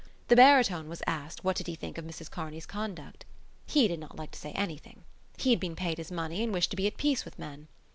The baritone was asked what did he think of Mrs Kearney's conduct. He did not like to say anything. He had been paid his money and wished to be at peace with men.